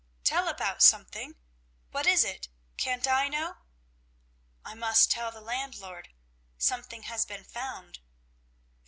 "Tell about something? What is it? Can't I know?" "I must tell the landlord. Something has been found."